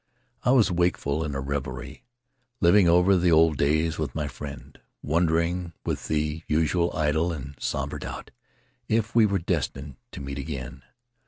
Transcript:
I was wakeful in a revery, living over the old days with my friend, wondering, with the usual idle and somber doubt, if we were destined to meet again.